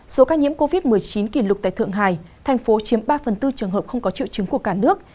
số ca nhiễm covid một mươi chín kỷ lục tại thượng hải thành phố chiếm ba phần tư trường hợp không có triệu chứng của cả nước